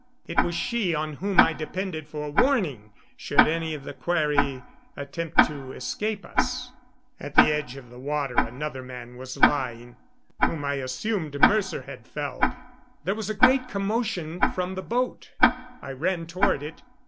It was she on whom I depended for warning should any of the quarry attempt to escape us. At the edge of the water another man was lying, whom I assumed Mercer had felled. There was a great commotion from the boat. I ran toward it.